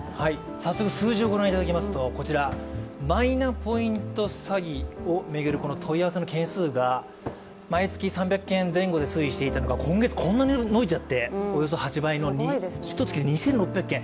早速、数字をご覧いただきますとマイナポイント詐欺を巡る問い合わせの件数が毎月３００件前後で推移していたのが今月、こんなに伸びちゃっておよそ８倍、ひと月で２６００件。